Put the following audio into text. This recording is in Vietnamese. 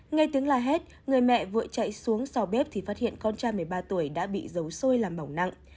nghe tiếng la hét người mẹ vội chạy xuống sau bếp thì phát hiện con trai một mươi ba tuổi đã bị dầu sôi làm mỏng nặng